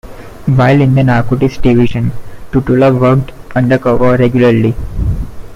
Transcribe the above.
While in the Narcotics Division, Tutuola worked undercover regularly.